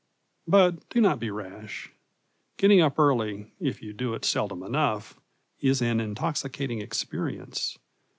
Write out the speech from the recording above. But do not be rash. Getting up early, if you do it seldom enough, is an intoxicating experience.